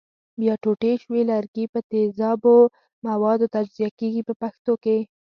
بیا ټوټې شوي لرګي په تیزابي موادو تجزیه کېږي په پښتو کې.